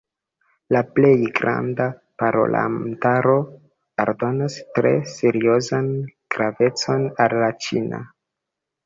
La plej granda parolantaro aldonas tre seriozan gravecon al la ĉina.